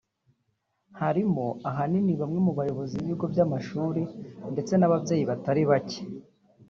harimo ahanini bamwe mu bayobozi b’ibigo by’amashuri ndetse n’ababyeyi batari bake